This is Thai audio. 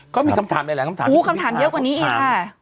ก็มีคำถามอะไรแหละคำถามอีกครับอู๋คำถามเยอะกว่านี้อีกค่ะค่ะ